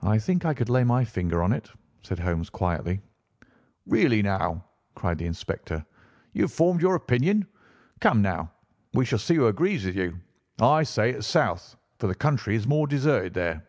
"I think I could lay my finger on it," said Holmes quietly. "Really, now!" cried the inspector, "you have formed your opinion! Come, now, we shall see who agrees with you. I say it is south, for the country is more deserted there."